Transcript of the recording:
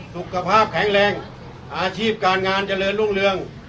สุขภาพแข็งแรงอาชีพการงานเจริญรุ่งเรือง